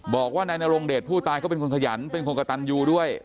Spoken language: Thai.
บอกว่านายนรงเดชผู้ตายเขาเป็นคนขยันเป็นคนกระตันยูด้วย